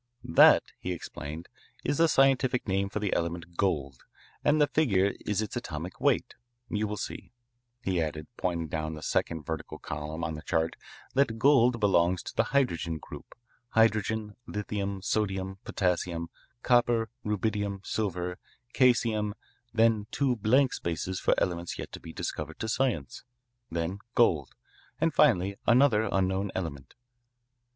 "That," he explained, "is the scientific name for the element gold and the figure is its atomic weight. You will see," he added, pointing down the second vertical column on the chart, "that gold belongs to the hydrogen group hydrogen, lithium, sodium, potassium, copper, rubidium, silver, caesium, then two blank spaces for elements yet to be discovered to science, then gold, and finally another unknown element."